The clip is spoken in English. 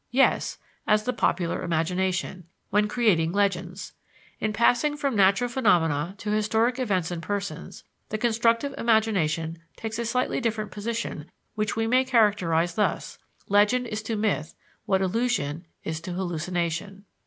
Yes; as the popular imagination, when creating legends. In passing from natural phenomena to historic events and persons, the constructive imagination takes a slightly different position which we may characterize thus: legend is to myth what illusion is to hallucination.